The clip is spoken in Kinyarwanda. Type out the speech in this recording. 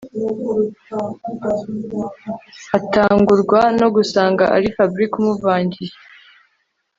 atungurwa no gusanga ari Fabric umuvangiye